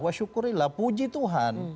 wa syukurillah puji tuhan